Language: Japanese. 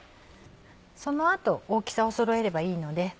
その後大きさをそろえればいいので。